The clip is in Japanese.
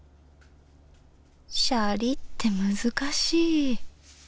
シャリって難しい。